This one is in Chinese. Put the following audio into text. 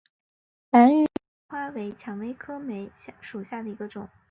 兰屿野樱花为蔷薇科梅属下的一个种。